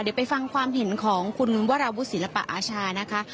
เดี๋ยวไปฟังความเห็นของคุณวราวุศิลปะอาชานะคะ